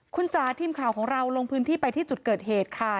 คุณจ๋าทีมข่าวของเราลงพื้นที่ไปที่จุดเกิดเหตุค่ะ